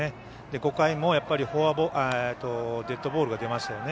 ５回もデッドボールが出ましたよね。